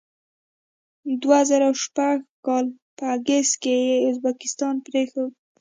دوه زره شپږ کال په اګست کې یې ازبکستان پرېښود.